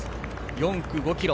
４区、５ｋｍ。